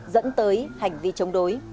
dẫn tới hành vi chống đối